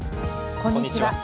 こんにちは。